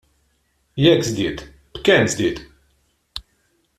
Jekk żdied, b'kemm żdied?